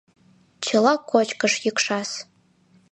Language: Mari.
Чыла кочкыш йӱкшас.